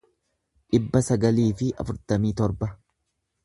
dhibba sagalii fi afurtamii torba